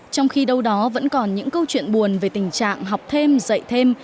trong khi đâu đó vẫn còn những câu chuyện buồn về tình trạng học thêm dạy thêm